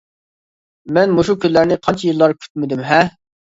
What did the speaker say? مەن مۇشۇ كۈنلەرنى قانچە يىللار كۈتمىدىم ھە!